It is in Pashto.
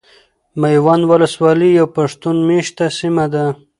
ميوند ولسوالي يو پښتون ميشته سيمه ده .